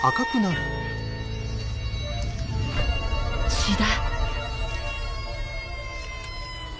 血だ。